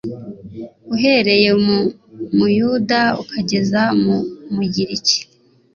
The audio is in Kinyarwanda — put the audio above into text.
uhereye ku Muyuda ukageza ku Mugiriki